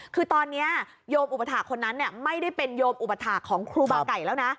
คือตอนนี้โยมอุปถาคคนนั้นไม่ได้เป็นโยมอุปถาคของครูบาไก่แล้วนะ